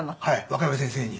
若山先生に。